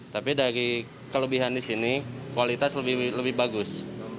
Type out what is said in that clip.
tapi dari kelebihan di sini kualitas lebih bagus